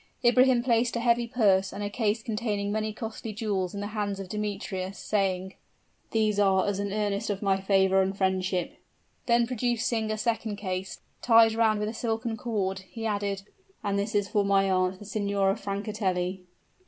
Ibrahim placed a heavy purse and a case containing many costly jewels in the hands of Demetrius, saying: "These are as an earnest of my favor and friendship;" then, producing a second case, tied round with a silken cord, he added, "And this is for my aunt, the Signora Francatelli."